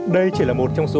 đây chỉ là một trong số